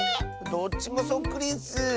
どっちもそっくりッス！